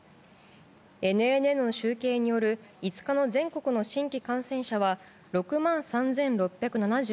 ＮＮＮの集計による５日の全国の新規感染者は６万３６７３人。